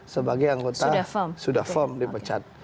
sebagai anggota sudah firm sudah firm dipecat